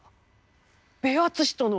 ベアツシとの！